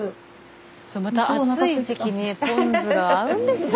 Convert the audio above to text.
スタジオまた暑い時期にポン酢が合うんですよね。